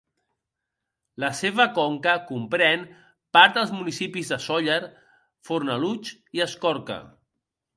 La seva conca comprèn part dels municipis de Sóller, Fornalutx i Escorca.